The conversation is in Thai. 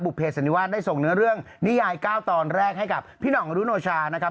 เภสันนิวาสได้ส่งเนื้อเรื่องนิยาย๙ตอนแรกให้กับพี่ห่องรุโนชานะครับ